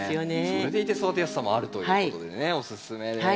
それでいて育てやすさもあるということでねおすすめです。